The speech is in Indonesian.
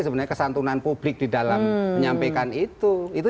sebenarnya kesantunan publik di dalam menyampaikan itu